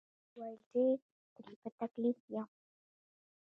ورته مې وویل: ډیر ترې په تکلیف یم.